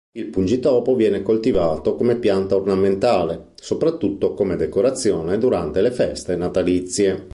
Il pungitopo viene coltivato come pianta ornamentale, soprattutto come decorazione durante le feste natalizie.